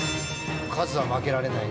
カズは負けられない。